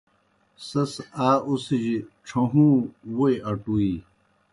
سیْس آ اُڅِھجیْ ڇھہُوں ووئی اٹُویی۔